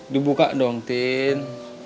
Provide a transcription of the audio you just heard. dibuka dong tin